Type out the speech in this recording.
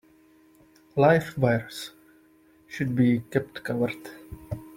Live wires should be kept covered.